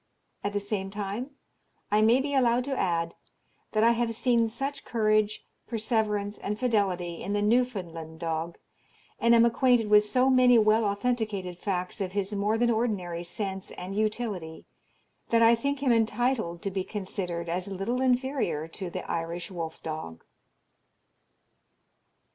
At the same time I may be allowed to add, that I have seen such courage, perseverance, and fidelity in the Newfoundland dog, and am acquainted with so many well authenticated facts of his more than ordinary sense and utility, that I think him entitled to be considered as little inferior to the Irish wolf dog.